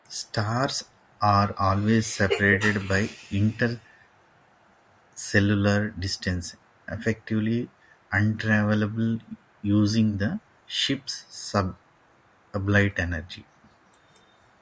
Stars are always separated by interstellar distances effectively untraversable using the ship's sublight engines.